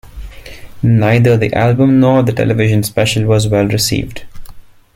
Neither the album nor the television special was well received.